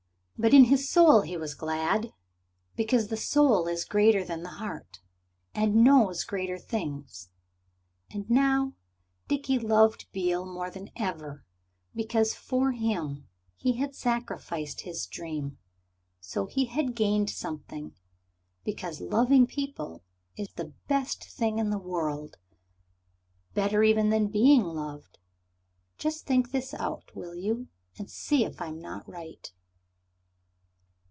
But in his soul he was glad, because the soul is greater than the heart, and knows greater things. And now Dickie loved Beale more than ever, because for him he had sacrificed his dream. So he had gained something. Because loving people is the best thing in the world better even than being loved. Just think this out, will you, and see if I am not right.